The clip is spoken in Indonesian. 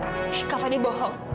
kak fadil bohong